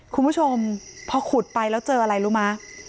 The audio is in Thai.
คุณผู้ชมพอขุดไปแล้วเจออะไรรู้ไหม